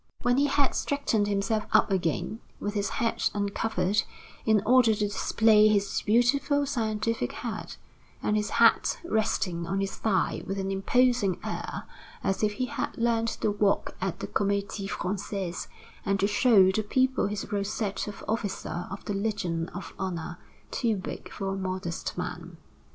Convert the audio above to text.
When he had straightened himself up again, with his head uncovered, in order to display his beautiful, scientific head, and his hat resting on his thigh with an imposing air as if he had learned to walk at the Comédie Française, and to show the people his rosette of officer of the Legion of Honor, too big for a modest man.